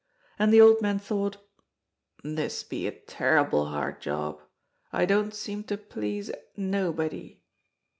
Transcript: And the old man thought: "This be a terrible hard job; I don't seem to please nobody."